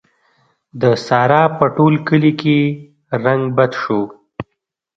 د سارا په ټول کلي کې رنګ بد شو.